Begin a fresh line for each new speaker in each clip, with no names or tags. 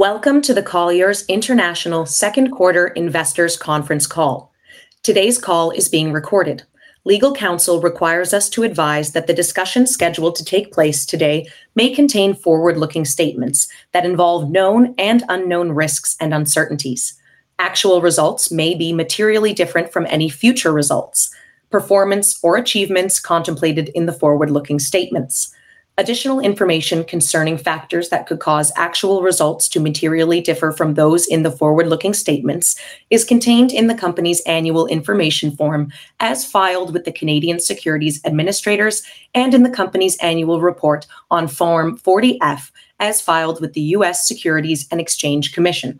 Welcome to the Colliers International Second Quarter Investors Conference Call. Today's call is being recorded. Legal counsel requires us to advise that the discussion scheduled to take place today may contain forward-looking statements that involve known and unknown risks and uncertainties. Actual results may be materially different from any future results, performance, or achievements contemplated in the forward-looking statements. Additional information concerning factors that could cause actual results to materially differ from those in the forward-looking statements is contained in the company's annual information form as filed with the Canadian Securities Administrators and in the company's annual report on Form 40-F, as filed with the U.S. Securities and Exchange Commission.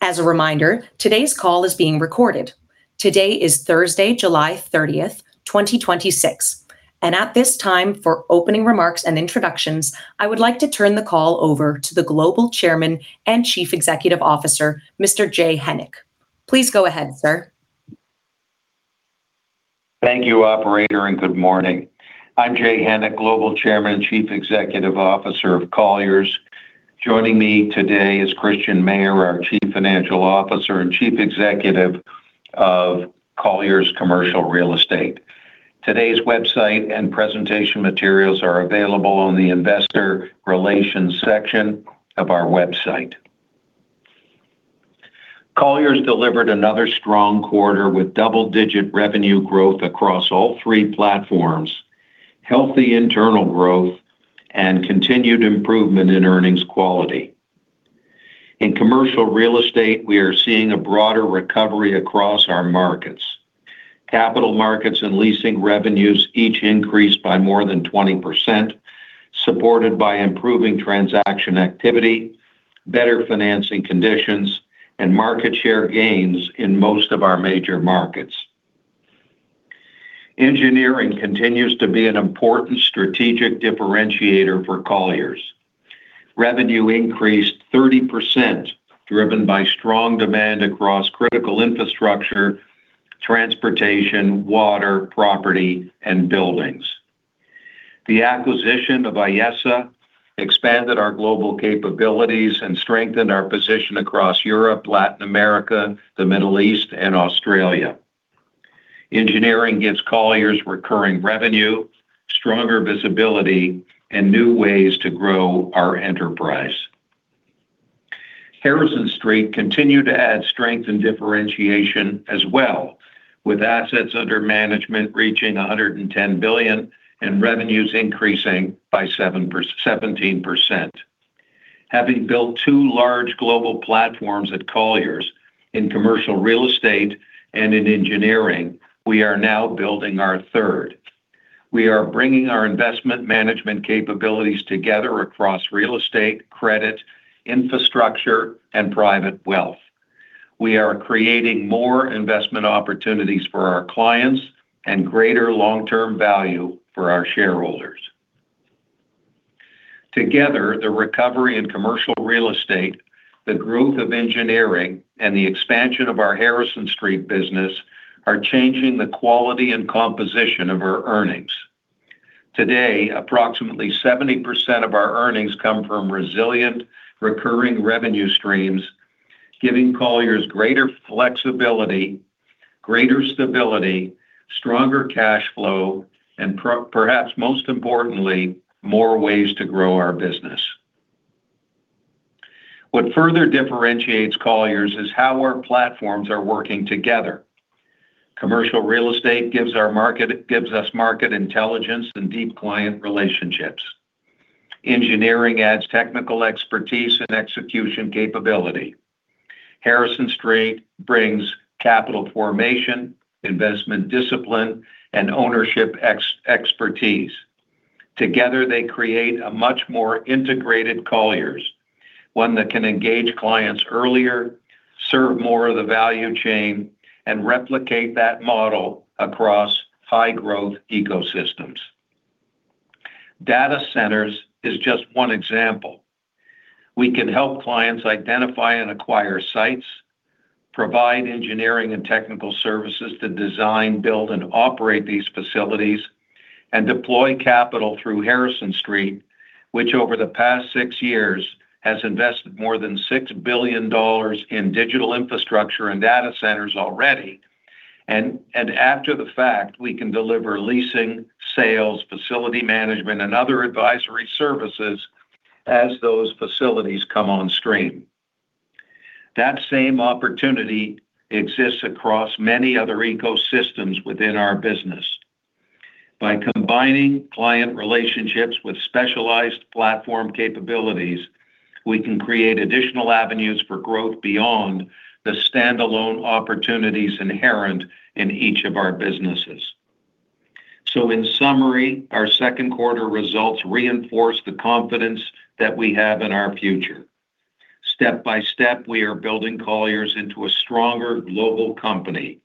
As a reminder, today's call is being recorded. Today is Thursday, July 30, 2026. At this time, for opening remarks and introductions, I would like to turn the call over to the Global Chairman and Chief Executive Officer, Mr. Jay Hennick. Please go ahead, sir.
Thank you, operator, and good morning. I'm Jay Hennick, Global Chairman and Chief Executive Officer of Colliers. Joining me today is Christian Mayer, our Chief Financial Officer and Chief Executive of Colliers Commercial Real Estate. Today's website and presentation materials are available on the Investor Relations section of our website. Colliers delivered another strong quarter with double-digit revenue growth across all three platforms, healthy internal growth, and continued improvement in earnings quality. In Commercial Real Estate, we are seeing a broader recovery across our markets. Capital Markets and leasing revenues each increased by more than 20%, supported by improving transaction activity, better financing conditions, and market share gains in most of our major markets. Engineering continues to be an important strategic differentiator for Colliers. Revenue increased 30%, driven by strong demand across critical infrastructure, transportation, water, property, and buildings. The acquisition of Ayesa expanded our global capabilities and strengthened our position across Europe, Latin America, the Middle East, and Australia. Engineering gives Colliers recurring revenue, stronger visibility, and new ways to grow our enterprise. Harrison Street continued to add strength and differentiation as well, with assets under management reaching $110 billion and revenues increasing by 17%. Having built two large global platforms at Colliers in Commercial Real Estate and in Engineering, we are now building our third. We are bringing our investment management capabilities together across real estate, credit, infrastructure, and private wealth. We are creating more investment opportunities for our clients and greater long-term value for our shareholders. Together, the recovery in Commercial Real Estate, the growth of Engineering, and the expansion of our Harrison Street business are changing the quality and composition of our earnings. Today, approximately 70% of our earnings come from resilient, recurring revenue streams, giving Colliers greater flexibility, greater stability, stronger cash flow, and perhaps most importantly, more ways to grow our business. What further differentiates Colliers is how our platforms are working together. Commercial real estate gives us market intelligence and deep client relationships. Engineering adds technical expertise and execution capability. Harrison Street brings capital formation, investment discipline, and ownership expertise. Together, they create a much more integrated Colliers, one that can engage clients earlier, serve more of the value chain, and replicate that model across high-growth ecosystems. Data centers is just one example. We can help clients identify and acquire sites, provide engineering, and technical services to design, build, and operate these facilities, and deploy capital through Harrison Street, which over the past six years has invested more than $6 billion in digital infrastructure and data centers already. After the fact, we can deliver leasing, sales, facility management, and other advisory services as those facilities come on stream. That same opportunity exists across many other ecosystems within our business. By combining client relationships with specialized platform capabilities, we can create additional avenues for growth beyond the standalone opportunities inherent in each of our businesses. In summary, our second quarter results reinforce the confidence that we have in our future. Step by step, we are building Colliers into a stronger global company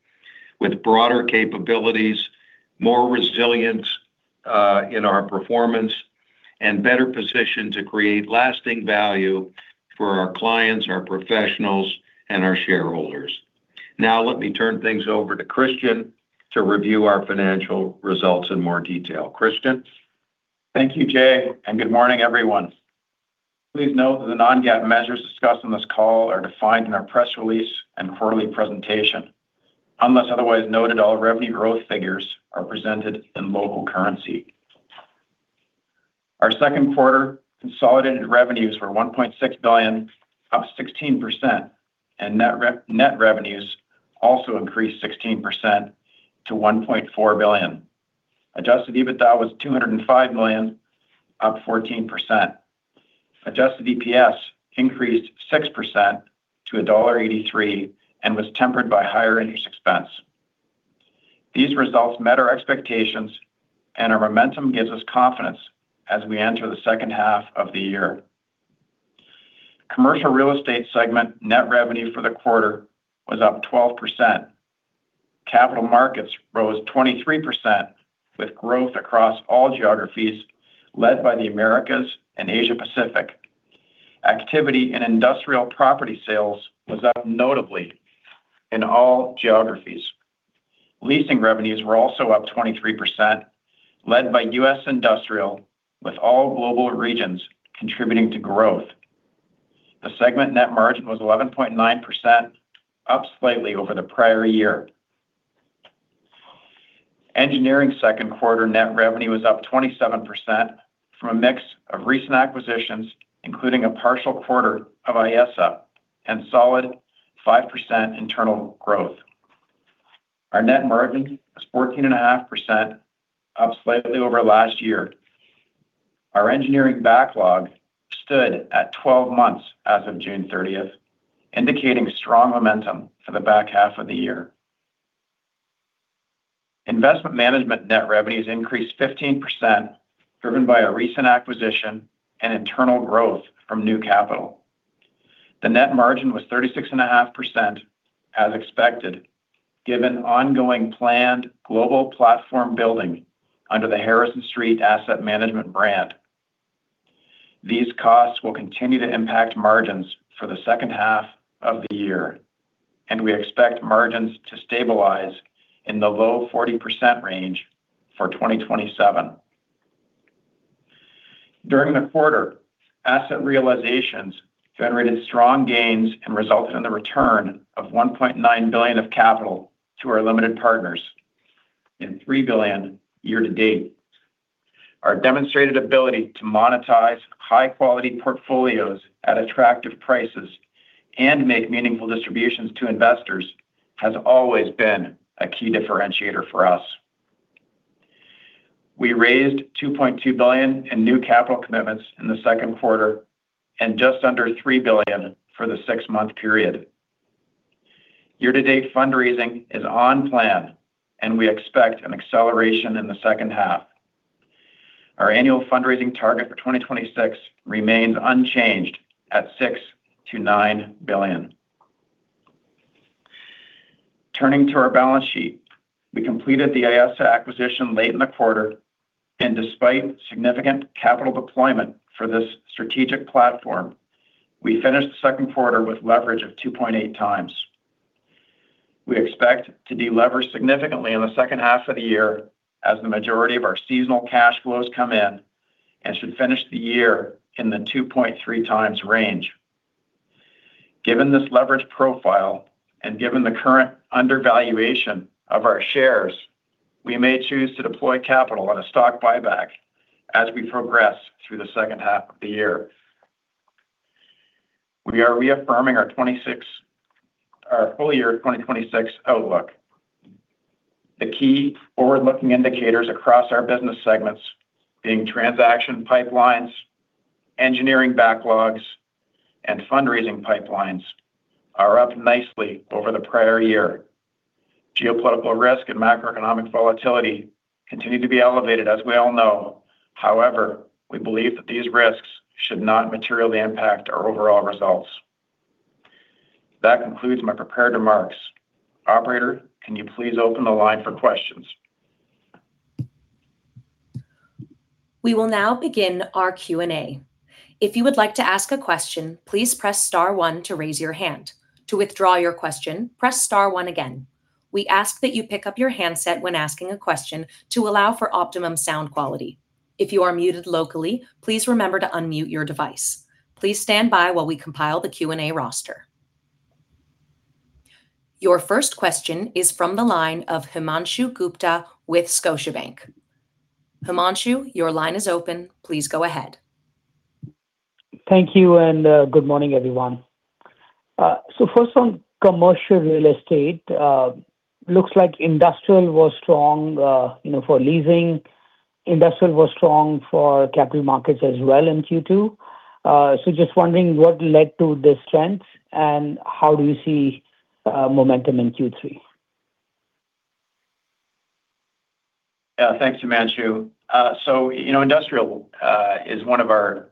with broader capabilities, more resilience in our performance, and better positioned to create lasting value for our clients, our professionals, and our shareholders. Let me turn things over to Christian to review our financial results in more detail. Christian?
Thank you, Jay. Good morning, everyone. Please note that the non-GAAP measures discussed on this call are defined in our press release and quarterly presentation. Unless otherwise noted, all revenue growth figures are presented in local currency. Our second quarter consolidated revenues were $1.6 billion, up 16%, and net revenues also increased 16% to $1.4 billion. Adjusted EBITDA was $205 million, up 14%. Adjusted EPS increased 6% to $1.83 and was tempered by higher interest expense. These results met our expectations, and our momentum gives us confidence as we enter the second half of the year. Commercial Real Estate segment net revenue for the quarter was up 12%. Capital Markets rose 23%, with growth across all geographies led by the Americas and Asia-Pacific. Activity in industrial property sales was up notably in all geographies. Leasing revenues were also up 23%, led by U.S. Industrial, with all global regions contributing to growth. The segment net margin was 11.9%, up slightly over the prior year. Engineering second quarter net revenue was up 27% from a mix of recent acquisitions, including a partial quarter of Ayesa and solid 5% internal growth. Our net margin was 14.5%, up slightly over last year. Our engineering backlog stood at 12 months as of June 30th, indicating strong momentum for the back half of the year. Investment Management net revenues increased 15%, driven by a recent acquisition and internal growth from new capital. The net margin was 36.5% as expected, given ongoing planned global platform building under the Harrison Street Asset Management brand. These costs will continue to impact margins for the second half of the year, and we expect margins to stabilize in the low 40% range for 2027. During the quarter, asset realizations generated strong gains and resulted in the return of $1.9 billion of capital to our limited partners and $3 billion year-to-date. Our demonstrated ability to monetize high-quality portfolios at attractive prices and make meaningful distributions to investors has always been a key differentiator for us. We raised $2.2 billion in new capital commitments in the second quarter and just under $3 billion for the six-month period. Year-to-date fundraising is on plan, and we expect an acceleration in the second half. Our annual fundraising target for 2026 remains unchanged at $6 billion-$9 billion. Turning to our balance sheet, we completed the Ayesa acquisition late in the quarter, and despite significant capital deployment for this strategic platform, we finished the second quarter with leverage of 2.8x. We expect to delever significantly in the second half of the year as the majority of our seasonal cash flows come in and should finish the year in the 2.3x range. Given this leverage profile and given the current undervaluation of our shares, we may choose to deploy capital on a stock buyback as we progress through the second half of the year. We are reaffirming our full year 2026 outlook. The key forward-looking indicators across our business segments being transaction pipelines, engineering backlogs, and fundraising pipelines are up nicely over the prior year. Geopolitical risk and macroeconomic volatility continue to be elevated, as we all know. However, we believe that these risks should not materially impact our overall results. That concludes my prepared remarks. Operator, can you please open the line for questions?
We will now begin our Q&A. If you would like to ask a question, please press star one to raise your hand. To withdraw your question, press star one again. We ask that you pick up your handset when asking a question to allow for optimum sound quality. If you are muted locally, please remember to unmute your device. Please stand by while we compile the Q&A roster. Your first question is from the line of Himanshu Gupta with Scotiabank. Himanshu, your line is open. Please go ahead.
Thank you, and good morning, everyone. First on commercial real estate. Looks like industrial was strong for leasing. Industrial was strong for Capital Markets as well in Q2. Just wondering what led to this strength and how do you see momentum in Q3?
Yeah. Thanks, Himanshu. Industrial is one of our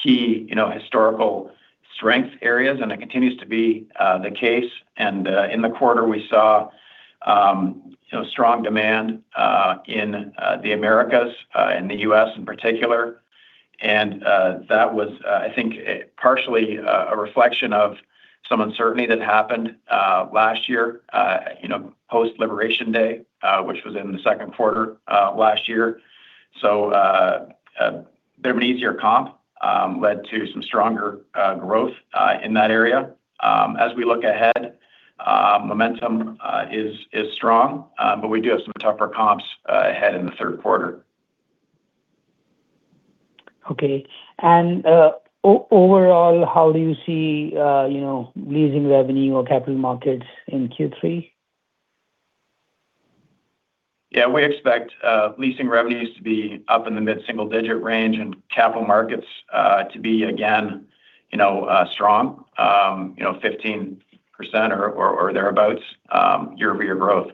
key historical strength areas, and it continues to be the case. In the quarter we saw strong demand in the Americas, in the U.S. in particular. That was, I think, partially a reflection of some uncertainty that happened last year, post Liberation Day, which was in the second quarter last year. There was an easier comp led to some stronger growth in that area. As we look ahead, momentum is strong. We do have some tougher comps ahead in the third quarter.
Okay. Overall, how do you see leasing revenue or Capital Markets in Q3?
Yeah. We expect leasing revenues to be up in the mid-single-digit range and Capital Markets to be, again strong, 15% or thereabouts year-over-year growth.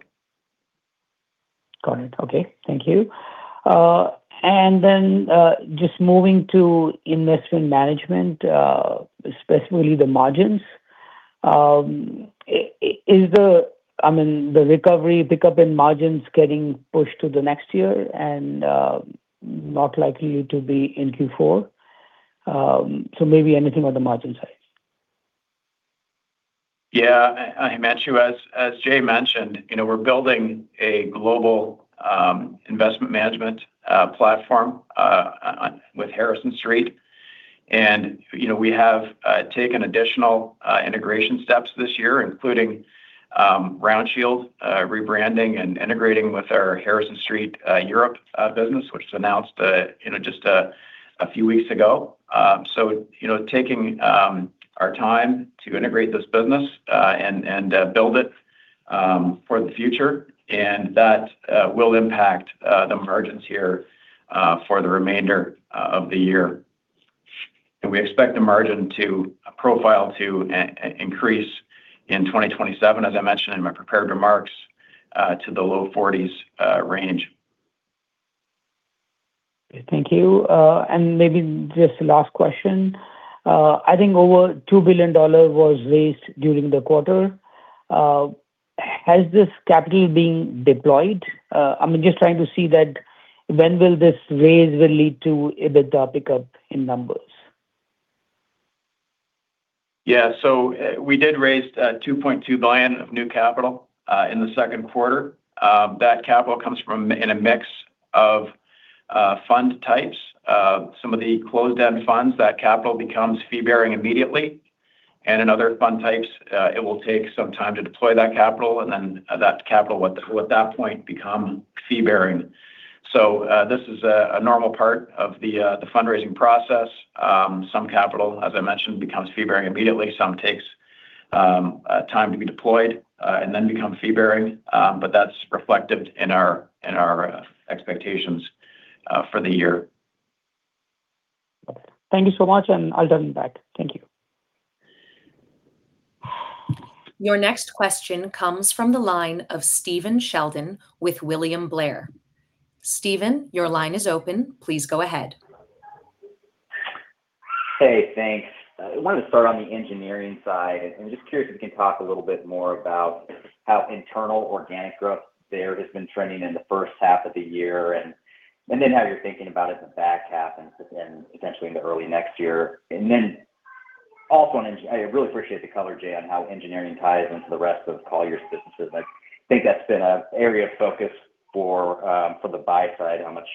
Got it. Okay. Thank you. Just moving to Investment Management, especially the margins. Is the recovery pickup in margins getting pushed to the next year and not likely to be in Q4? Maybe anything on the margin side.
Yeah. Himanshu, as Jay mentioned, we're building a global investment management platform with Harrison Street. We have taken additional integration steps this year, including RoundShield rebranding and integrating with our Harrison Street Europe business, which was announced just a few weeks ago. Taking our time to integrate this business and build it for the future. That will impact the margins here for the remainder of the year. We expect the margin to profile to increase in 2027, as I mentioned in my prepared remarks, to the low 40s range.
Okay, thank you. Maybe just last question. I think over $2 billion was raised during the quarter. Has this capital been deployed? I'm just trying to see that when will this raise will lead to EBITDA pickup in numbers?
Yeah. We did raise $2.2 billion of new capital in the second quarter. That capital comes in a mix of fund types. Some of the closed-end funds, that capital becomes fee-bearing immediately. In other fund types it will take some time to deploy that capital and then that capital will at that point become fee-bearing. This is a normal part of the fundraising process. Some capital, as I mentioned, becomes fee-bearing immediately. Some takes time to be deployed and then become fee-bearing. That's reflected in our expectations for the year.
Okay. Thank you so much, and I'll turn it back. Thank you.
Your next question comes from the line of Stephen Sheldon with William Blair. Stephen, your line is open. Please go ahead.
Hey, thanks. I wanted to start on the engineering side. I'm just curious if you can talk a little bit more about how internal organic growth there has been trending in the first half of the year, how you're thinking about it the back half and potentially into early next year. Also on I really appreciate the color, Jay, on how engineering ties into the rest of Colliers businesses. I think that's been an area of focus for the buy side, how much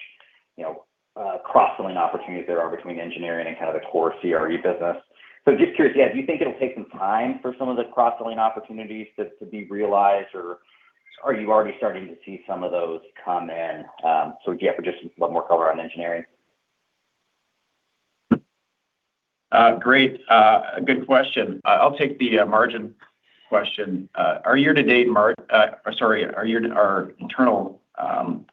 cross-selling opportunities there are between engineering and kind of the core CRE business. Just curious, yeah, do you think it'll take some time for some of the cross-selling opportunities to be realized, or are you already starting to see some of those come in? Yeah, for just a lot more color on engineering.
Great. A good question. I'll take the margin question. Our year-to-date sorry, our internal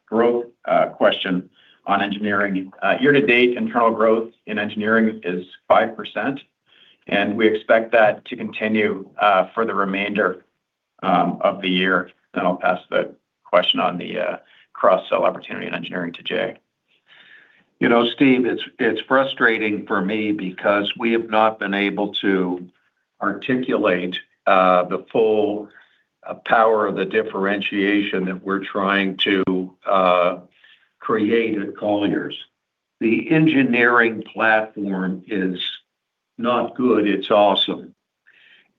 growth question on engineering. Year-to-date, internal growth in engineering is 5%, and we expect that to continue for the remainder of the year. I'll pass the question on the cross-sell opportunity in engineering to Jay.
You know, Stephen, it's frustrating for me because we have not been able to articulate the full power of the differentiation that we're trying to create at Colliers. The engineering platform is not good, it's awesome.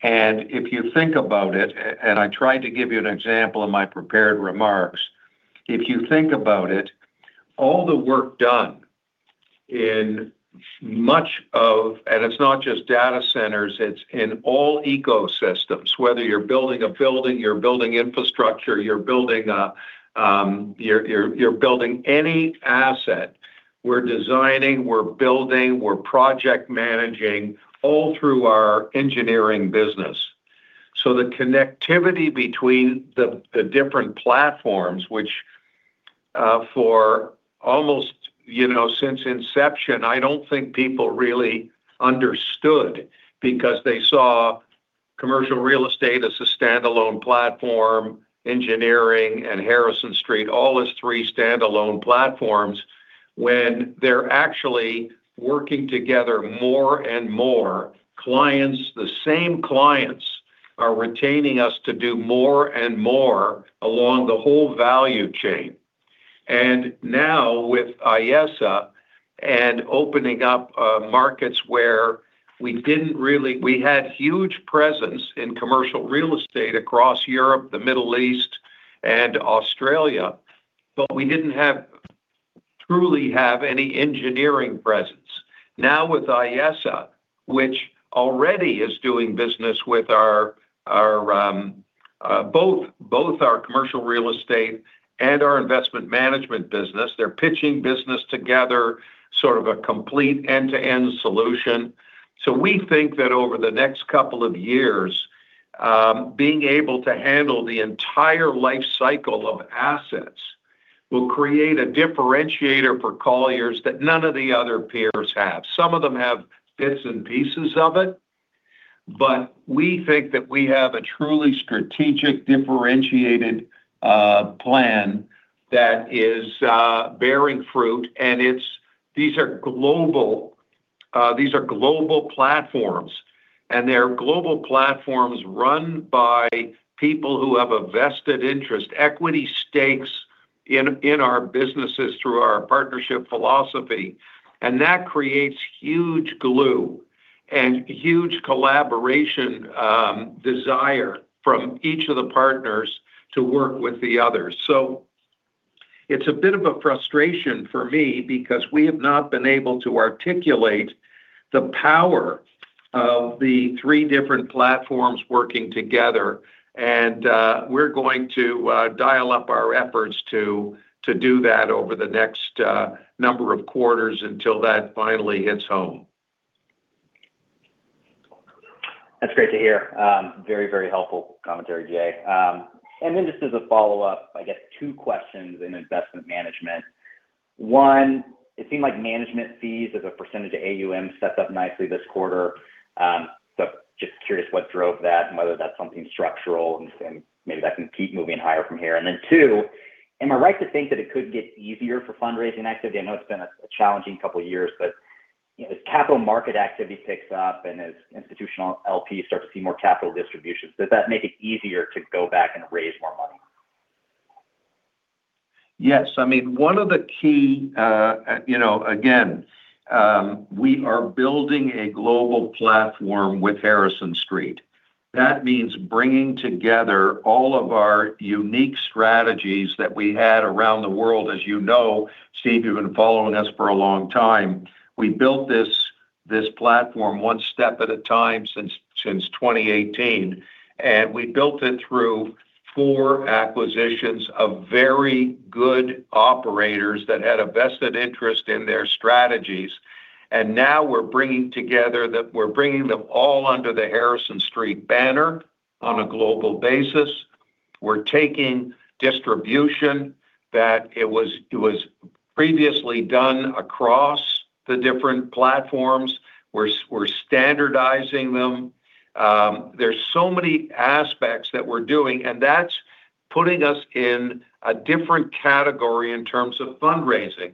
If you think about it, and I tried to give you an example in my prepared remarks, if you think about it, all the work done in much of, and it's not just data centers, it's in all ecosystems, whether you're building a building, you're building infrastructure, you're building any asset. We're designing, we're building, we're project managing all through our engineering business. The connectivity between the different platforms which for almost since inception, I don't think people really understood because they saw commercial real estate as a standalone platform, engineering and Harrison Street all as three standalone platforms when they're actually working together more and more. Clients, the same clients Are retaining us to do more and more along the whole value chain. Now with Ayesa and opening up markets where we had huge presence in commercial real estate across Europe, the Middle East, and Australia, but we didn't truly have any engineering presence. Now with Ayesa, which already is doing business with both our commercial real estate and our investment management business. They're pitching business together, sort of a complete end-to-end solution. We think that over the next couple of years, being able to handle the entire life cycle of assets will create a differentiator for Colliers that none of the other peers have. Some of them have bits and pieces of it, but we think that we have a truly strategic, differentiated plan that is bearing fruit. These are global platforms, and they're global platforms run by people who have a vested interest, equity stakes in our businesses through our partnership philosophy. That creates huge glue and huge collaboration desire from each of the partners to work with the others. It's a bit of a frustration for me because we have not been able to articulate the power of the three different platforms working together, and we're going to dial up our efforts to do that over the next number of quarters until that finally hits home.
That's great to hear. Very helpful commentary, Jay. Just as a follow-up, I guess two questions in investment management. One, it seemed like management fees as a percentage of AUM set up nicely this quarter. Just curious what drove that and whether that's something structural and maybe that can keep moving higher from here. Two, am I right to think that it could get easier for fundraising activity? I know it's been a challenging couple of years, but as capital market activity picks up and as institutional LPs start to see more capital distributions, does that make it easier to go back and raise more money?
Yes. Again, we are building a global platform with Harrison Street. That means bringing together all of our unique strategies that we had around the world. As you know, Stephen, you've been following us for a long time. We built this platform one step at a time since 2018, and we built it through four acquisitions of very good operators that had a vested interest in their strategies. Now we're bringing them all under the Harrison Street banner on a global basis. We're taking distribution that it was previously done across the different platforms. We're standardizing them. There's so many aspects that we're doing, that's putting us in a different category in terms of fundraising.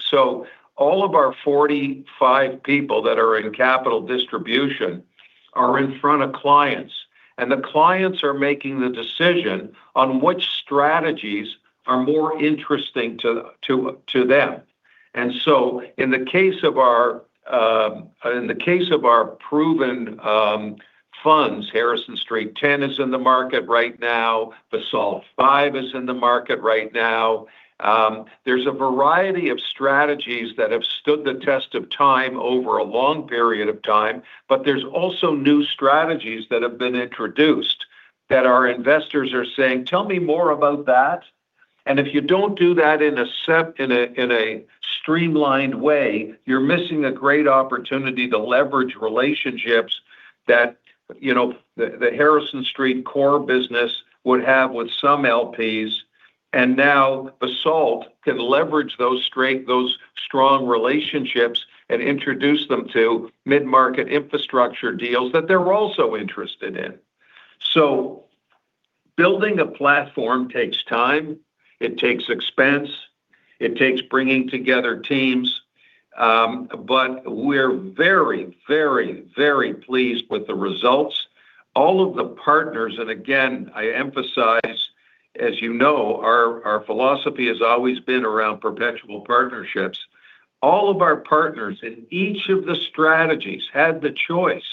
All of our 45 people that are in capital distribution are in front of clients, and the clients are making the decision on which strategies are more interesting to them. In the case of our proven funds, Harrison Street 10 is in the market right now, Basalt Five is in the market right now. There's a variety of strategies that have stood the test of time over a long period of time, there's also new strategies that have been introduced that our investors are saying, "Tell me more about that." If you don't do that in a streamlined way, you're missing a great opportunity to leverage relationships that the Harrison Street core business would have with some LPs. Now Basalt can leverage those strong relationships and introduce them to mid-market infrastructure deals that they're also interested in. Building a platform takes time, it takes expense, it takes bringing together teams, but we're very pleased with the results. All of the partners, and again, I emphasize, as you know, our philosophy has always been around perpetual partnerships. All of our partners in each of the strategies had the choice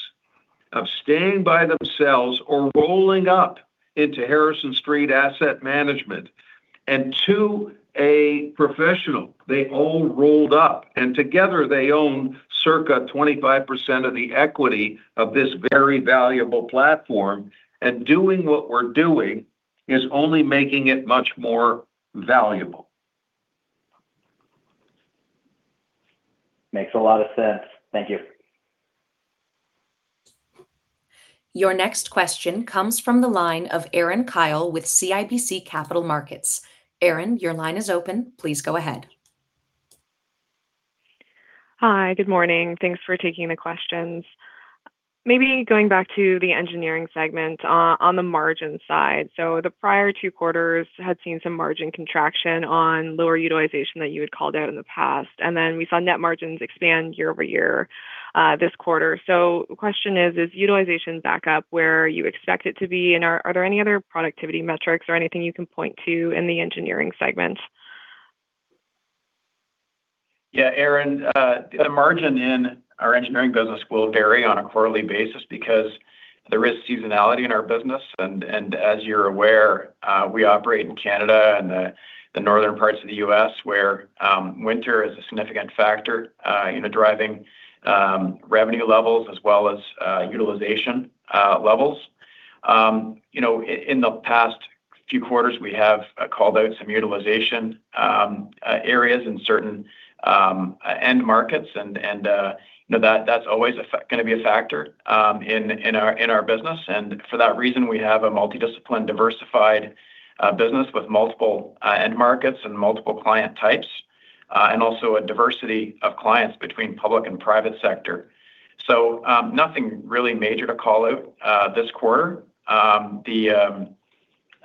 of staying by themselves or rolling up into Harrison Street Asset Management. To a professional, they all rolled up, and together they own circa 25% of the equity of this very valuable platform. Doing what we're doing is only making it much more valuable.
Makes a lot of sense. Thank you.
Your next question comes from the line of Erin Kyle with CIBC Capital Markets. Erin, your line is open. Please go ahead.
Hi. Good morning. Thanks for taking the questions. Maybe going back to the engineering segment on the margin side. The prior two quarters had seen some margin contraction on lower utilization that you had called out in the past, we saw net margins expand year-over-year this quarter. The question is utilization back up where you expect it to be, and are there any other productivity metrics or anything you can point to in the engineering segment?
Yeah, Erin, the margin in our engineering business will vary on a quarterly basis because there is seasonality in our business. As you're aware, we operate in Canada and the northern parts of the U.S., where winter is a significant factor in driving revenue levels as well as utilization levels. In the past few quarters, we have called out some utilization areas in certain end markets, that's always going to be a factor in our business. For that reason, we have a multidiscipline diversified business with multiple end markets and multiple client types, and also a diversity of clients between public and private sector. Nothing really major to call out this quarter. The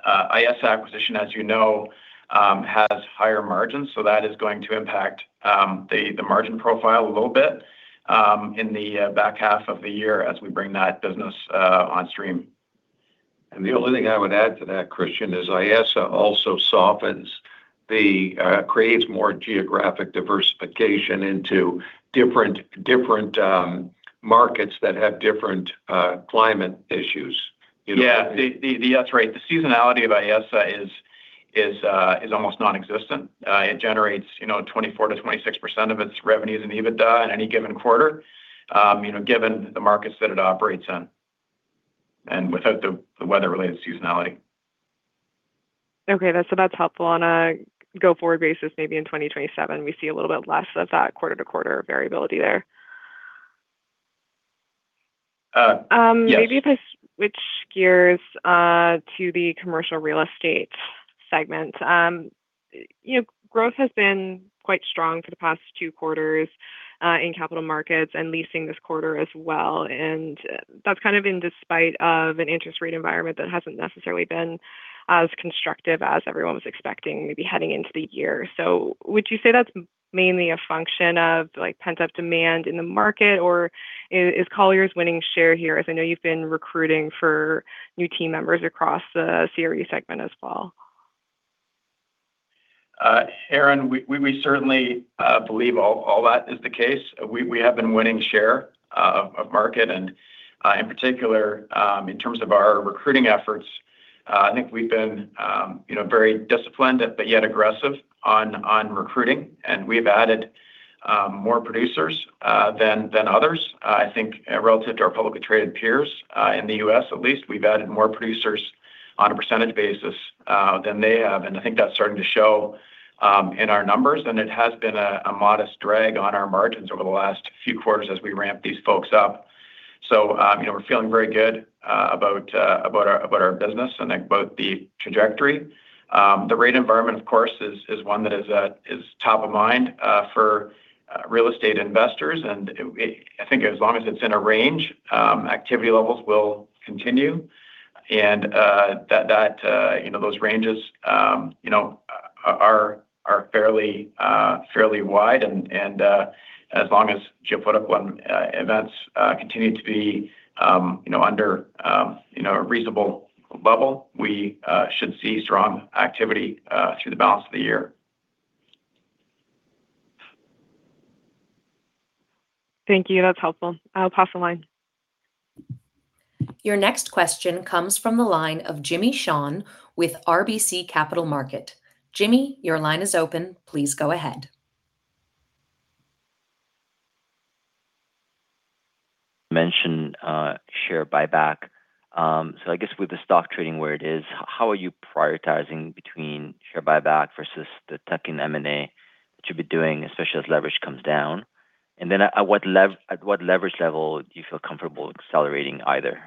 Ayesa acquisition, as you know, has higher margins, that is going to impact the margin profile a little bit in the back half of the year as we bring that business on stream.
The only thing I would add to that, Christian, is Ayesa also creates more geographic diversification into different markets that have different climate issues.
Yeah. That's right. The seasonality of Ayesa is almost nonexistent. It generates 24%-26% of its revenues in EBITDA in any given quarter, given the markets that it operates in and without the weather-related seasonality.
Okay. That's helpful. On a go-forward basis, maybe in 2027, we see a little bit less of that quarter-to-quarter variability there.
Yes.
Which gears to the Commercial Real Estate segment. Growth has been quite strong for the past two quarters in Capital Markets and leasing this quarter as well. That's in despite of an interest rate environment that hasn't necessarily been as constructive as everyone was expecting, maybe heading into the year. Would you say that's mainly a function of pent-up demand in the market, or is Colliers winning share here? As I know you've been recruiting for new team members across the CRE segment as well.
Erin, we certainly believe all that is the case. We have been winning share of market. In particular, in terms of our recruiting efforts, I think we've been very disciplined but yet aggressive on recruiting. We've added more producers than others. I think relative to our publicly traded peers, in the U.S. at least, we've added more producers on a percentage basis than they have. It has been a modest drag on our margins over the last few quarters as we ramp these folks up. We're feeling very good about our business and about the trajectory. The rate environment, of course, is one that is top of mind for real estate investors. I think as long as it's in a range, activity levels will continue. Those ranges are fairly wide. As long as geopolitical events continue to be under a reasonable level, we should see strong activity through the balance of the year.
Thank you. That's helpful. I'll pass the line.
Your next question comes from the line of Jimmy Shan with RBC Capital Markets. Jimmy, your line is open. Please go ahead.
Mentioned share buyback. I guess with the stock trading where it is, how are you prioritizing between share buyback versus the tuck-in M&A that you'll be doing, especially as leverage comes down? At what leverage level do you feel comfortable accelerating either?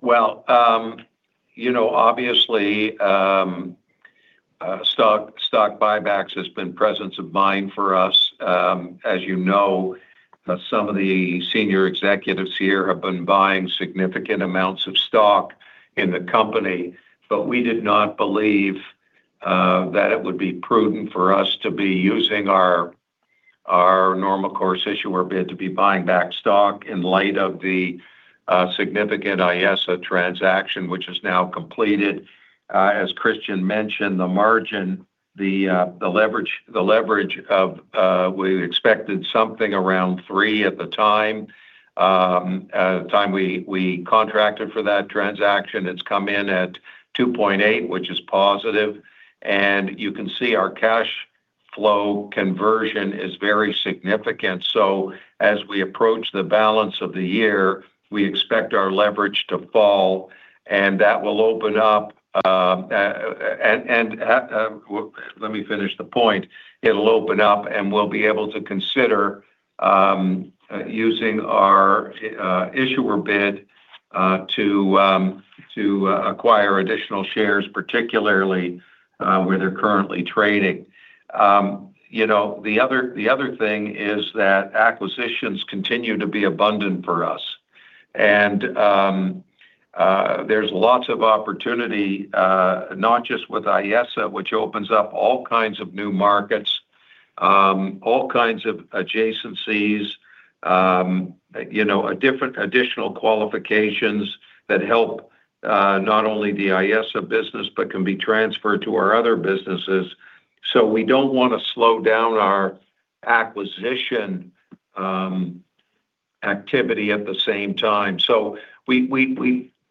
Well, obviously, stock buybacks has been presence of mind for us. As you know, some of the senior executives here have been buying significant amounts of stock in the company. We did not believe that it would be prudent for us to be using our Normal Course Issuer Bid to be buying back stock in light of the significant Ayesa transaction, which is now completed. As Christian mentioned, the leverage, we expected something around three at the time we contracted for that transaction. It's come in at 2.8x, which is positive. You can see our cash flow conversion is very significant. As we approach the balance of the year, we expect our leverage to fall. Let me finish the point. It'll open up, we'll be able to consider using our issuer bid to acquire additional shares, particularly where they're currently trading. The other thing is that acquisitions continue to be abundant for us. There's lots of opportunity, not just with Ayesa, which opens up all kinds of new markets, all kinds of adjacencies, different additional qualifications that help not only the Ayesa business, but can be transferred to our other businesses. We don't want to slow down our acquisition activity at the same time.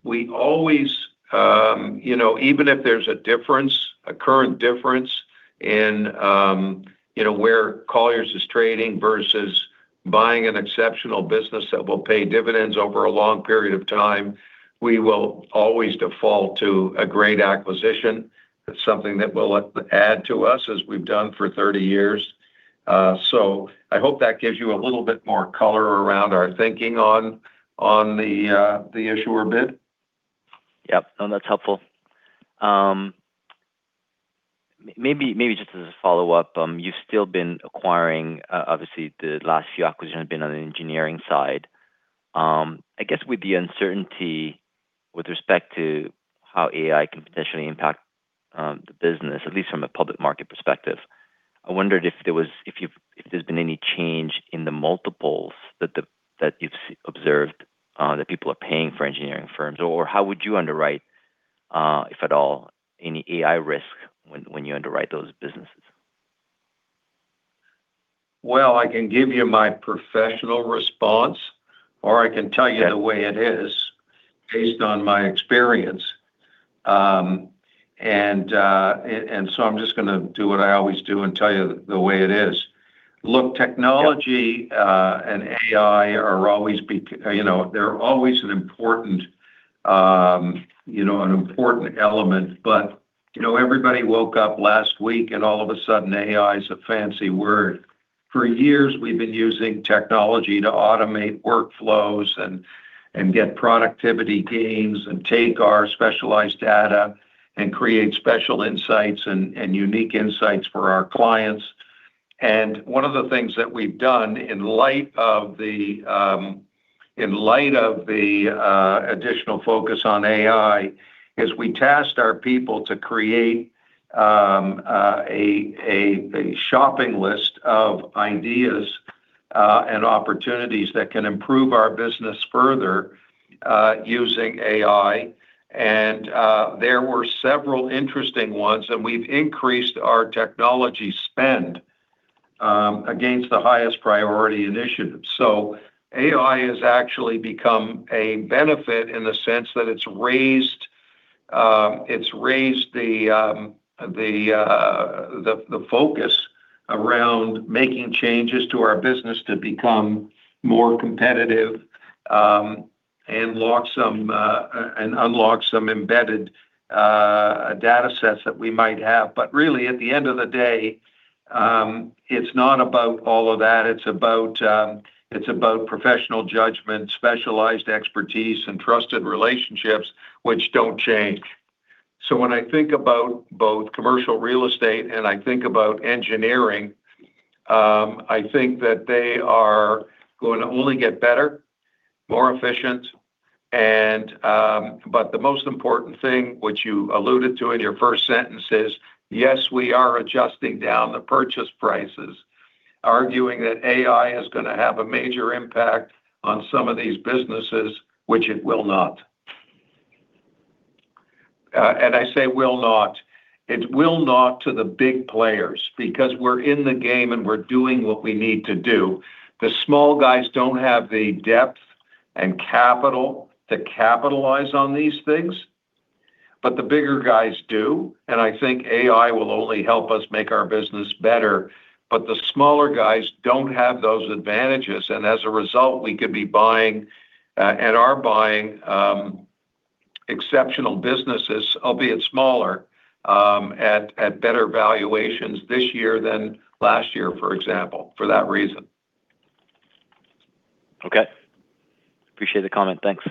We always, even if there's a current difference in where Colliers is trading versus buying an exceptional business that will pay dividends over a long period of time, we will always default to a great acquisition. That's something that will add to us as we've done for 30 years. I hope that gives you a little bit more color around our thinking on the issuer bid.
Yep, no, that's helpful. Maybe just as a follow-up, you've still been acquiring, obviously, the last few acquisitions have been on the engineering side. I guess with the uncertainty with respect to how AI can potentially impact the business, at least from a public market perspective, I wondered if there's been any change in the multiples that you've observed that people are paying for engineering firms, or how would you underwrite, if at all, any AI risk when you underwrite those businesses?
I can give you my professional response, or I can tell you.
Yeah
The way it is based on my experience. I'm just going to do what I always do and tell you the way it is. Look,
Yeah
Technology and AI, they're always an important element. Everybody woke up last week, and all of a sudden, AI is a fancy word. For years, we've been using technology to automate workflows, and get productivity gains, and take our specialized data, and create special insights and unique insights for our clients. One of the things that we've done in light of the additional focus on AI is we tasked our people to create a shopping list of ideas and opportunities that can improve our business further using AI. There were several interesting ones, and we've increased our technology spend against the highest priority initiatives. AI has actually become a benefit in the sense that it's raised the focus around making changes to our business to become more competitive and unlock some embedded data sets that we might have. Really, at the end of the day, it's not about all of that. It's about professional judgment, specialized expertise, and trusted relationships which don't change. When I think about both commercial real estate and I think about engineering, I think that they are going to only get better, more efficient, but the most important thing which you alluded to in your first sentence is, yes, we are adjusting down the purchase prices, arguing that AI is going to have a major impact on some of these businesses, which it will not. I say will not. It will not to the big players because we're in the game and we're doing what we need to do. The small guys don't have the depth and capital to capitalize on these things. The bigger guys do, and I think AI will only help us make our business better. The smaller guys don't have those advantages, and as a result, we could be buying, and are buying exceptional businesses, albeit smaller, at better valuations this year than last year, for example, for that reason.
Okay. Appreciate the comment. Thanks.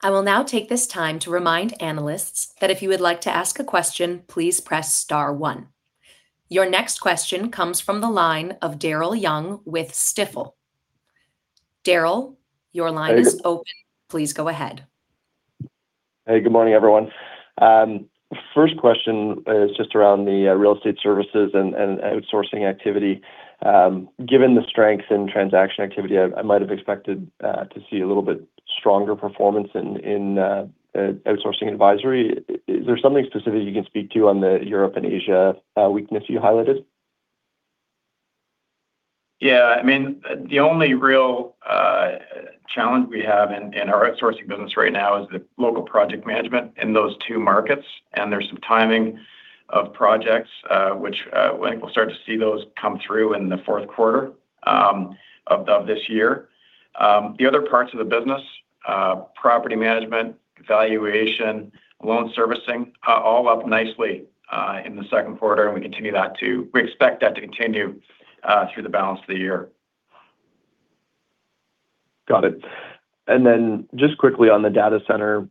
I will now take this time to remind analysts that if you would like to ask a question, please press star one. Your next question comes from the line of Daryl Young with Stifel. Daryl, your line-
Hey, good
is open. Please go ahead.
Hey, good morning, everyone. First question is just around the real estate services and outsourcing activity. Given the strength in transaction activity, I might have expected to see a little bit stronger performance in outsourcing advisory. Is there something specific you can speak to on the Europe and Asia weakness you highlighted?
Yeah. The only real challenge we have in our outsourcing business right now is the local project management in those two markets, and there's some timing of projects which I think we'll start to see those come through in the fourth quarter of this year. The other parts of the business, property management, valuation, loan servicing, all up nicely in the second quarter, and we expect that to continue through the balance of the year.
Got it. Just quickly on the data center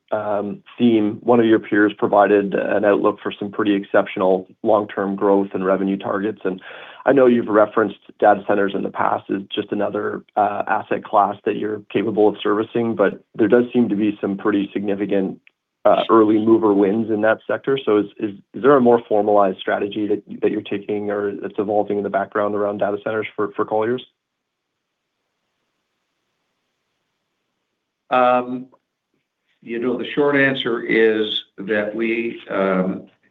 theme, one of your peers provided an outlook for some pretty exceptional long-term growth and revenue targets. I know you've referenced data centers in the past as just another asset class that you're capable of servicing, but there does seem to be some pretty significant early mover wins in that sector. Is there a more formalized strategy that you're taking or that's evolving in the background around data centers for Colliers?
The short answer is that we,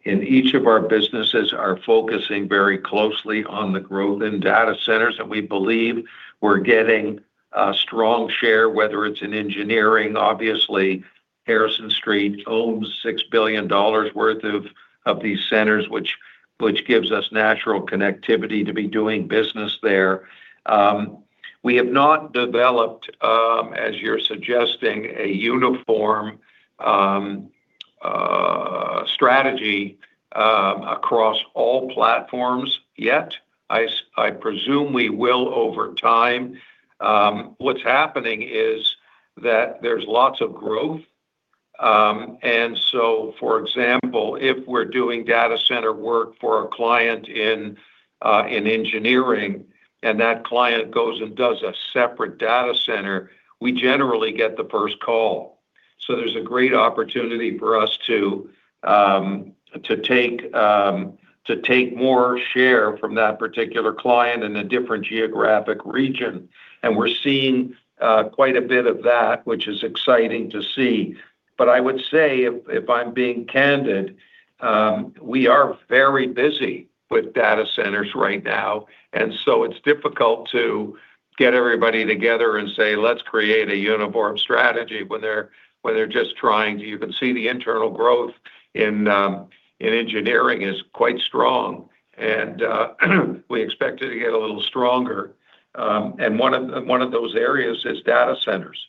in each of our businesses, are focusing very closely on the growth in data centers. We believe we're getting a strong share, whether it's in engineering. Obviously, Harrison Street owns $6 billion worth of these centers, which gives us natural connectivity to be doing business there. We have not developed, as you're suggesting, a uniform strategy across all platforms yet. I presume we will over time. What's happening is that there's lots of growth. For example, if we're doing data center work for a client in engineering and that client goes and does a separate data center, we generally get the first call. There's a great opportunity for us to take more share from that particular client in a different geographic region. We're seeing quite a bit of that, which is exciting to see. I would say, if I'm being candid, we are very busy with data centers right now. It's difficult to get everybody together and say, "Let's create a uniform strategy" when they're just trying. You can see the internal growth in engineering is quite strong. We expect it to get a little stronger. One of those areas is data centers.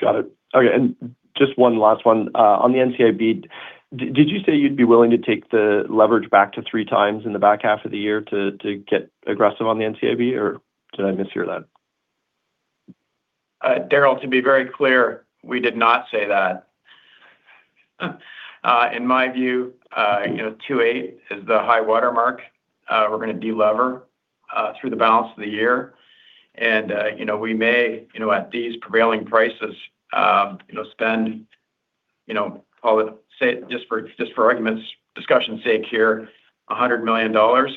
Got it. Just one last one. On the NCIB, did you say you'd be willing to take the leverage back to three times in the back half of the year to get aggressive on the NCIB, or did I mishear that?
Daryl, to be very clear, we did not say that. In my view, 2.8x is the high water mark. We're going to de-lever through the balance of the year. We may, at these prevailing prices, spend, call it, say, just for argument's discussion's sake here, $100 million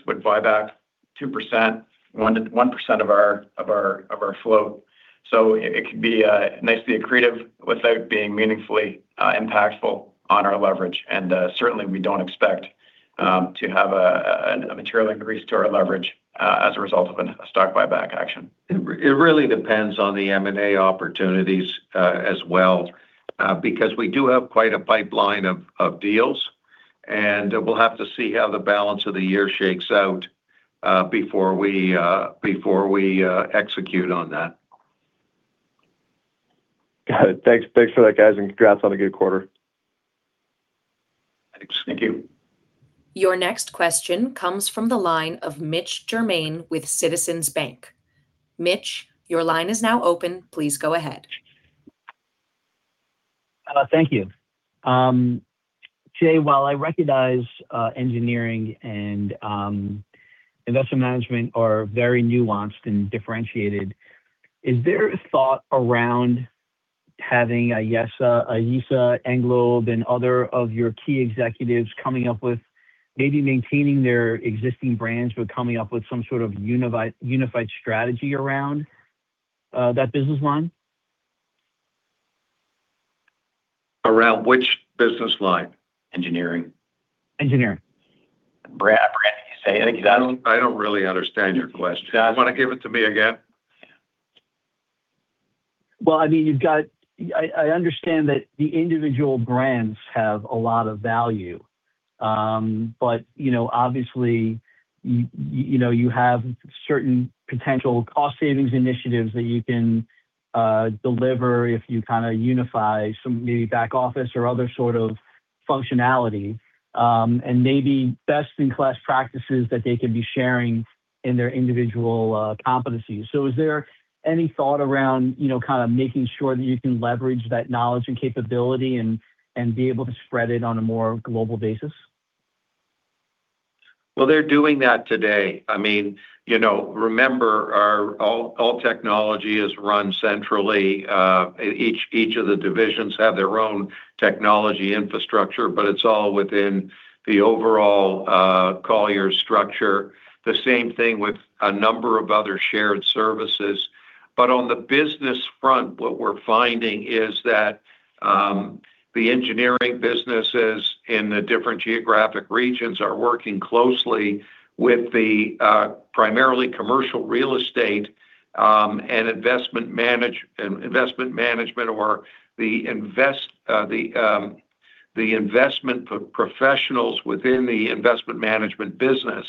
would buy back 2%, 1% of our float. It could be nicely accretive without being meaningfully impactful on our leverage. Certainly we don't expect to have a material increase to our leverage as a result of a stock buyback action.
It really depends on the M&A opportunities as well, because we do have quite a pipeline of deals, we'll have to see how the balance of the year shakes out before we execute on that.
Got it. Thanks for that, guys, congrats on a good quarter.
Thanks.
Thank you.
Your next question comes from the line of Mitch Germain with Citizens Bank. Mitch, your line is now open. Please go ahead.
Thank you. Jay, while I recognize engineering and investment management are very nuanced and differentiated, is there a thought around having Ayesa, Englobe, and other of your key executives coming up with maybe maintaining their existing brands, but coming up with some sort of unified strategy around that business line?
Around which business line?
Engineering.
Engineering.
[Jay], can you say anything to that?
I don't really understand your question.
Yeah.
You want to give it to me again?
Well, I understand that the individual brands have a lot of value. Obviously, you have certain potential cost savings initiatives that you can deliver if you unify some maybe back office or other sort of functionality, and maybe best-in-class practices that they could be sharing in their individual competencies. Is there any thought around making sure that you can leverage that knowledge and capability and be able to spread it on a more global basis?
Well, they're doing that today. Remember, all technology is run centrally. Each of the divisions have their own technology infrastructure, but it's all within the overall Colliers structure. The same thing with a number of other shared services. On the business front, what we're finding is that the engineering businesses in the different geographic regions are working closely with the primarily commercial real estate, and investment management, or the investment professionals within the investment management business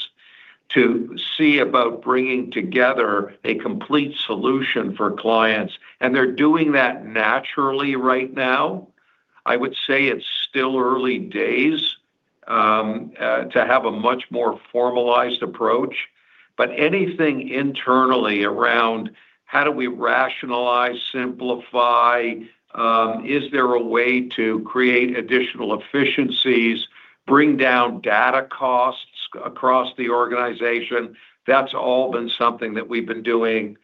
to see about bringing together a complete solution for clients. They're doing that naturally right now. I would say it's still early days to have a much more formalized approach. Anything internally around how do we rationalize, simplify Is there a way to create additional efficiencies, bring down data costs across the organization? That's all been something that we've been doing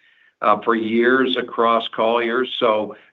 for years across Colliers,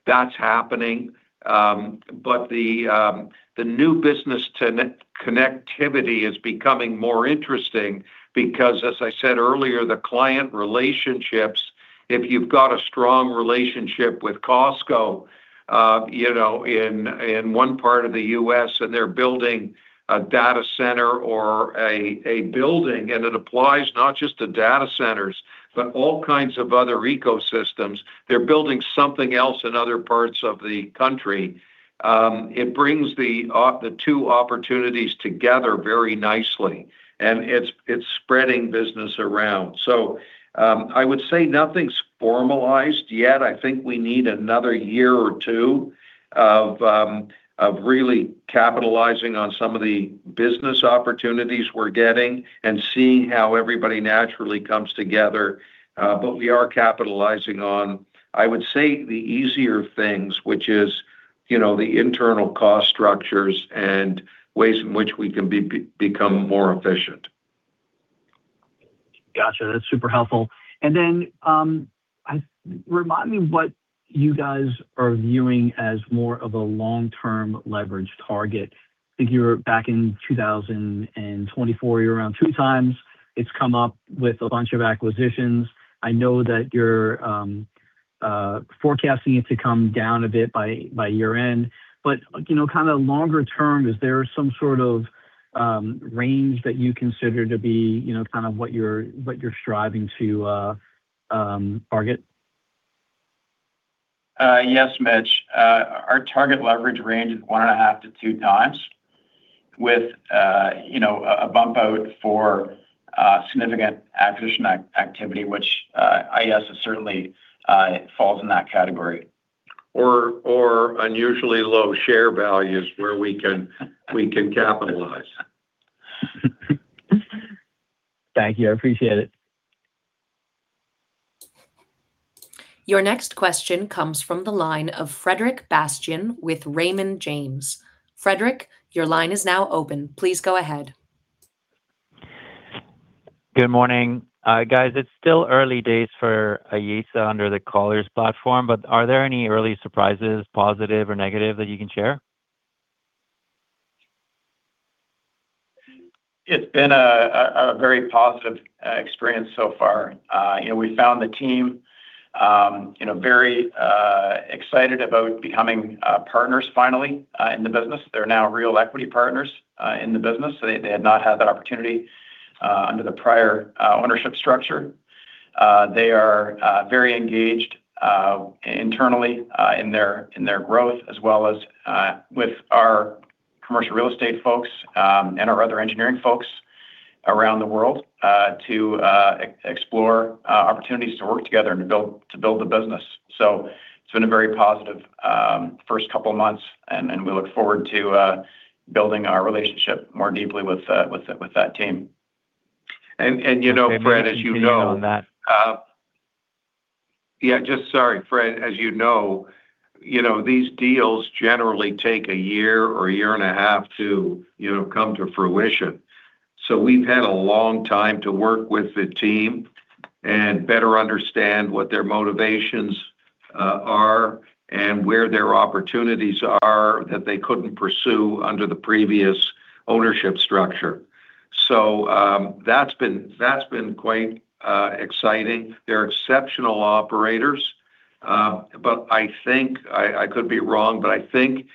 that's happening. The new business connectivity is becoming more interesting because, as I said earlier, the client relationships, if you've got a strong relationship with Costco in one part of the U.S. and they're building a data center or a building, and it applies not just to data centers, but all kinds of other ecosystems. They're building something else in other parts of the country. It brings the two opportunities together very nicely. It's spreading business around. I would say nothing's formalized yet. I think we need another year or two of really capitalizing on some of the business opportunities we're getting and seeing how everybody naturally comes together. We are capitalizing on, I would say, the easier things, which is the internal cost structures and ways in which we can become more efficient.
Got you. That's super helpful. Then, remind me what you guys are viewing as more of a long-term leverage target. I think you were back in 2024, you were around two times. It's come up with a bunch of acquisitions. I know that you're forecasting it to come down a bit by year-end. Longer term, is there some sort of range that you consider to be what you're striving to target?
Yes, Mitch. Our target leverage range is one and a half to two times with a bump out for significant acquisition activity, which I guess certainly falls in that category.
Unusually low share values where we can capitalize.
Thank you. I appreciate it.
Your next question comes from the line of Frederic Bastien with Raymond James. Frederic, your line is now open. Please go ahead.
Good morning. Guys, it's still early days for Ayesa under the Colliers platform, are there any early surprises, positive or negative, that you can share?
It's been a very positive experience so far. We found the team very excited about becoming partners finally in the business. They're now real equity partners in the business. They had not had that opportunity under the prior ownership structure. They are very engaged internally, in their growth as well as with our commercial real estate folks, and our other engineering folks around the world, to explore opportunities to work together and to build the business. It's been a very positive first couple of months, and we look forward to building our relationship more deeply with that team.
Fred, as you know.
Maybe just continue on that.
Yeah, just sorry, Fred, as you know, these deals generally take a year or a year and a half to come to fruition. We've had a long time to work with the team and better understand what their motivations are and where their opportunities are that they couldn't pursue under the previous ownership structure. That's been quite exciting. They're exceptional operators. I could be wrong, but I think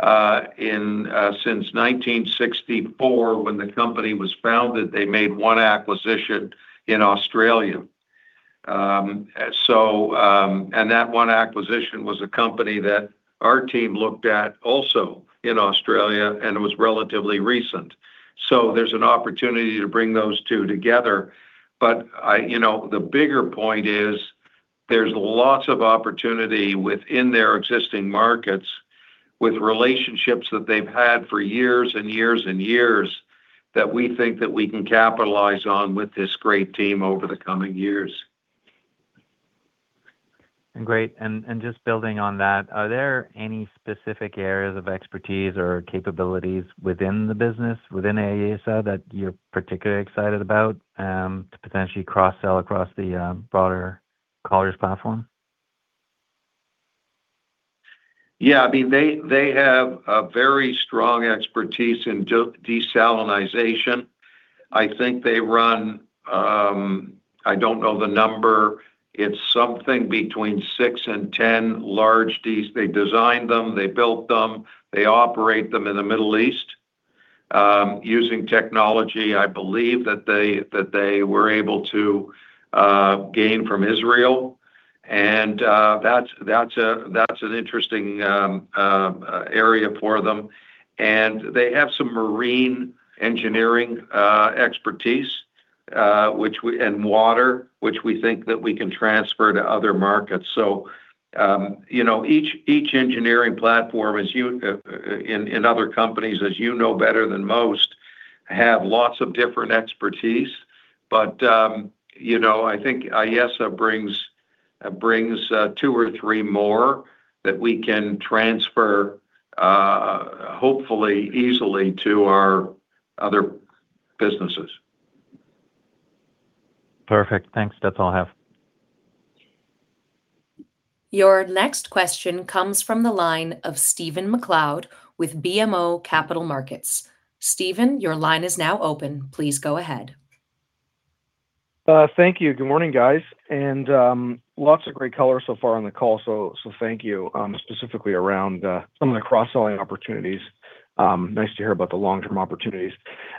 since 1964, when the company was founded, they made one acquisition in Australia. That one acquisition was a company that our team looked at also in Australia, and it was relatively recent. There's an opportunity to bring those two together. The bigger point is, there's lots of opportunity within their existing markets with relationships that they've had for years and years that we think that we can capitalize on with this great team over the coming years.
Great. Just building on that, are there any specific areas of expertise or capabilities within the business, within Ayesa, that you're particularly excited about to potentially cross-sell across the broader Colliers platform?
Yeah, they have a very strong expertise in desalination. I think they run, I don't know the number, it's something between six and 10 large. They designed them, they built them, they operate them in the Middle East using technology, I believe, that they were able to gain from Israel. That's an interesting area for them. They have some marine engineering expertise and water, which we think that we can transfer to other markets. Each engineering platform in other companies, as you know better than most Have lots of different expertise, I think Ayesa brings two or three more that we can transfer hopefully easily to our other businesses.
Perfect. Thanks. That's all I have.
Your next question comes from the line of Stephen MacLeod with BMO Capital Markets. Stephen, your line is now open. Please go ahead.
Thank you. Good morning, guys. Lots of great color so far on the call. Thank you, specifically around some of the cross-selling opportunities. Nice to hear about the long-term opportunities.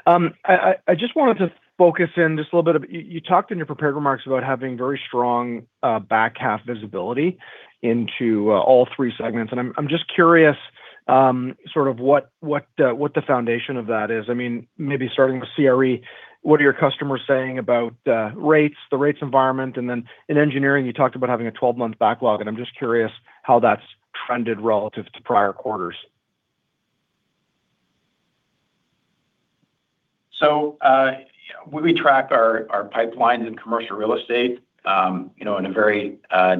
I just wanted to focus in just a little bit, you talked in your prepared remarks about having very strong back half visibility into all three segments, and I'm just curious what the foundation of that is. Maybe starting with CRE, what are your customers saying about the rates environment? In engineering, you talked about having a 12-month backlog, and I'm just curious how that's trended relative to prior quarters.
We track our pipelines in Commercial Real Estate in a very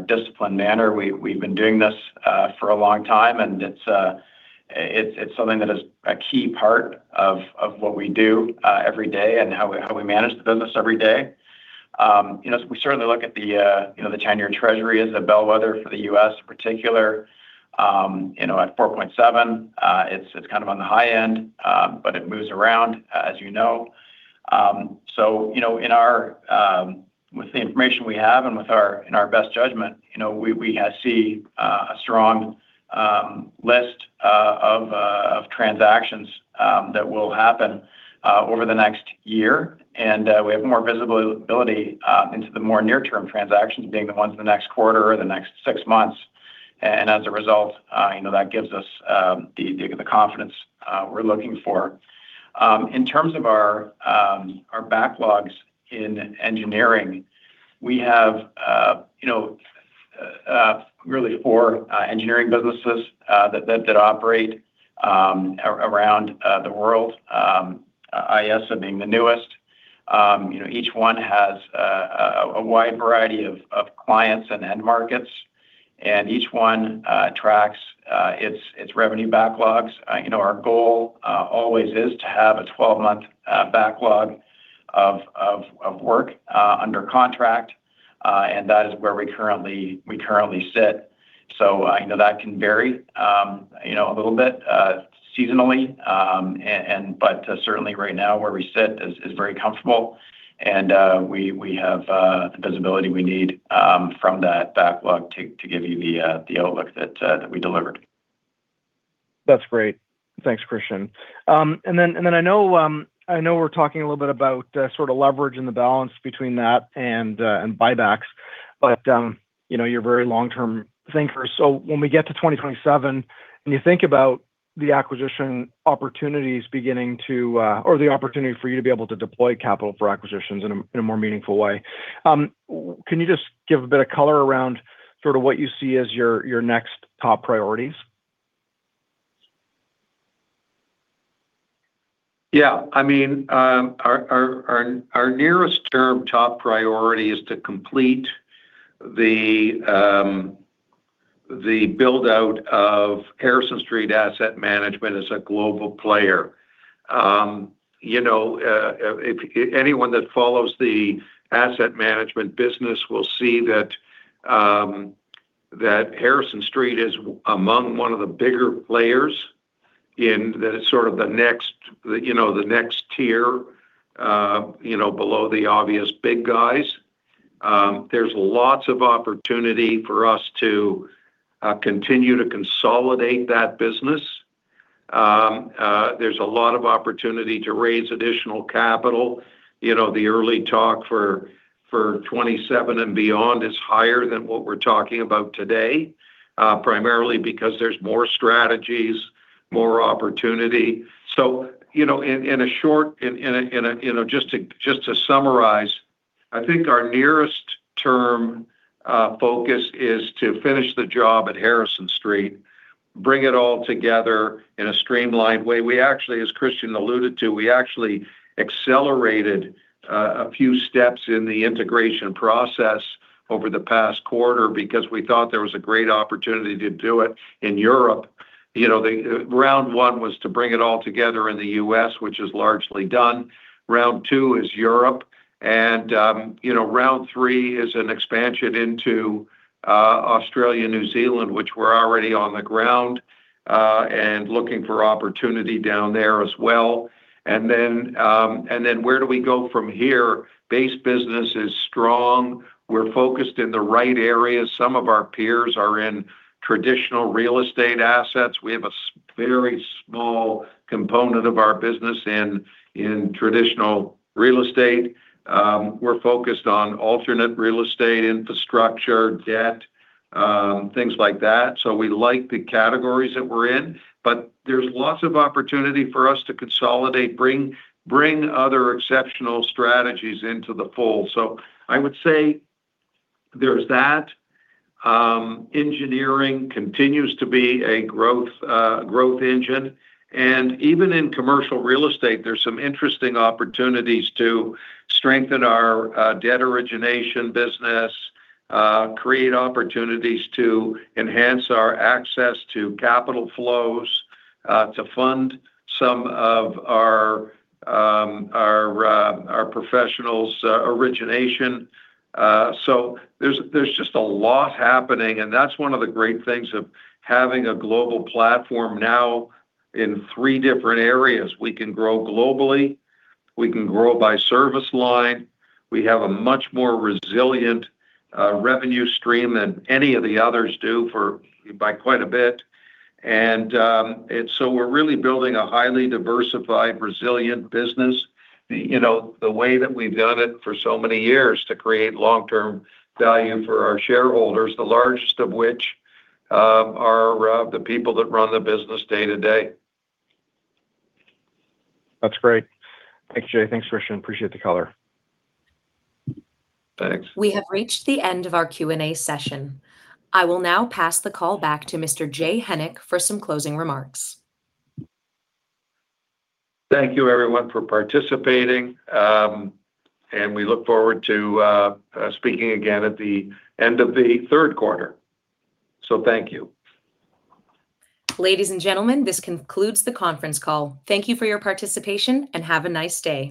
disciplined manner. We've been doing this for a long time, and it's something that is a key part of what we do every day and how we manage the business every day. We certainly look at the 10-year Treasury as a bellwether for the U.S. particular. At 4.7%, it's kind of on the high end, but it moves around, as you know. With the information we have and in our best judgment, we see a strong list of transactions that will happen over the next year. We have more visibility into the more near-term transactions, being the ones in the next quarter or the next six months. As a result, that gives us the confidence we're looking for. In terms of our backlogs in engineering, we have really four engineering businesses that operate around the world, Ayesa being the newest. Each one has a wide variety of clients and end markets, and each one tracks its revenue backlogs. Our goal always is to have a 12-month backlog of work under contract. That is where we currently sit. I know that can vary a little bit seasonally. Certainly right now where we sit is very comfortable and we have the visibility we need from that backlog to give you the outlook that we delivered.
That's great. Thanks, Christian. I know we're talking a little bit about sort of leverage and the balance between that and buybacks, but you're very long-term thinkers. When we get to 2027, and you think about the opportunity for you to be able to deploy capital for acquisitions in a more meaningful way, can you just give a bit of color around sort of what you see as your next top priorities?
Our nearest term top priority is to complete the buildout of Harrison Street Asset Management as a global player. Anyone that follows the asset management business will see that Harrison Street is among one of the bigger players in sort of the next tier below the obvious big guys. There's lots of opportunity for us to continue to consolidate that business. There's a lot of opportunity to raise additional capital. The early talk for 2027 and beyond is higher than what we're talking about today, primarily because there's more strategies, more opportunity. Just to summarize, I think our nearest term focus is to finish the job at Harrison Street, bring it all together in a streamlined way. As Christian alluded to, we actually accelerated a few steps in the integration process over the past quarter because we thought there was a great opportunity to do it in Europe. Round one was to bring it all together in the U.S., which is largely done. Round two is Europe. Round three is an expansion into Australia, New Zealand, which we're already on the ground, and looking for opportunity down there as well. Where do we go from here? Base business is strong. We're focused in the right areas. Some of our peers are in traditional real estate assets. We have a very small component of our business in traditional real estate. We're focused on alternate real estate infrastructure, debt, things like that. We like the categories that we're in, but there's lots of opportunity for us to consolidate, bring other exceptional strategies into the fold. I would say there's that. Engineering continues to be a growth engine. Even in commercial real estate, there's some interesting opportunities to strengthen our debt origination business, create opportunities to enhance our access to capital flows to fund some of our professionals' origination. There's just a lot happening, and that's one of the great things of having a global platform now in three different areas. We can grow globally. We can grow by service line. We have a much more resilient revenue stream than any of the others do by quite a bit. We're really building a highly diversified, resilient business the way that we've done it for so many years to create long-term value for our shareholders, the largest of which are the people that run the business day to day.
That's great. Thanks, Jay. Thanks, Christian. Appreciate the color.
Thanks.
We have reached the end of our Q&A session. I will now pass the call back to Mr. Jay Hennick for some closing remarks.
Thank you everyone for participating, and we look forward to speaking again at the end of the third quarter. Thank you.
Ladies and gentlemen, this concludes the conference call. Thank you for your participation, and have a nice day.